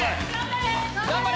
頑張れ！